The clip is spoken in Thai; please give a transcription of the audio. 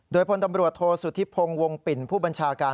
โดยพลตำรวจโทษสุธิพงศ์วงปิ่นผู้บัญชาการ